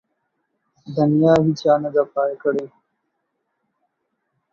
د نيا هيچا نده پاى کړې.